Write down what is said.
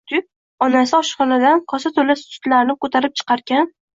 Onasi oshxonadan kosa to`la sutlarni ko`tarib chiqarkan;